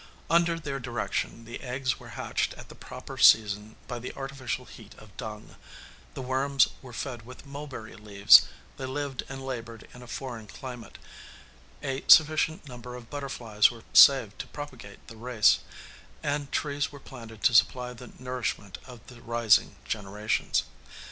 Under their direction the eggs were hatched at the proper season by the artificial heat of dung; the worms were fed with mulberry leaves; they lived and labored in a foreign climate; a sufficient number of butterflies were saved to propagate the race, and trees were planted to supply the nourishment of the rising generations.